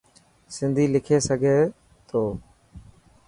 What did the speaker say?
سنڌي لکي سگھي ٿو.